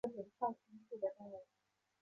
决不能搞任何变通